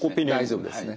大丈夫ですね。